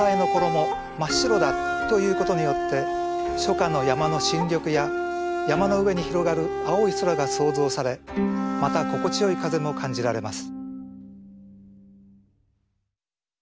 真っ白だと言うことによって初夏の山の新緑や山の上に広がる青い空が想像されまた心地よい風も感じられます。